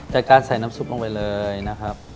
แต่การใส่น้ำซุปลงไปเลยนะครับ